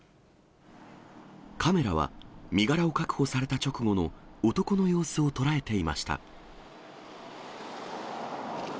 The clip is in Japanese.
カメラは身柄を確保された直後の男の様子を捉えていました。